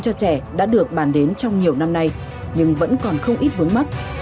giáo dục giới tính cho trẻ đã được bàn đến trong nhiều năm nay nhưng vẫn còn không ít vướng mắt